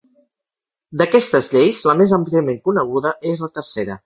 D'aquestes lleis, la més àmpliament coneguda és la tercera.